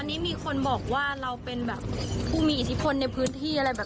อันนี้มีคนบอกว่าเราเป็นแบบผู้มีอิทธิพลในพื้นที่อะไรแบบ